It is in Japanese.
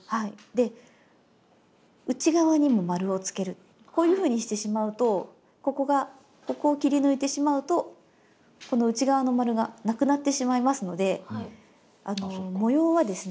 で内側にも丸をつけるこういうふうにしてしまうとここがここを切り抜いてしまうとこの内側の丸がなくなってしまいますので模様はですね